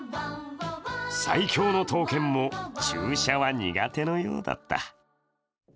最強の闘犬も、注射は苦手のようだった。